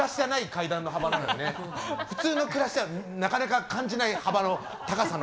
普通の暮らしではなかなか感じない幅の高さの。